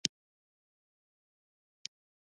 احمد غټه کاسه ښوروا څپه وهله او ويده شو.